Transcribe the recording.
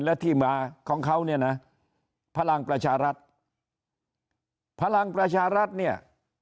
และที่มาของเขาเนี่ยนะพลังประชารัฐพลังประชารัฐเนี่ย